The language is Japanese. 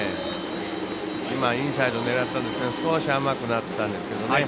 インサイド狙ったのが少し甘くなったんですけどね。